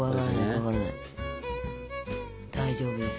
大丈夫です。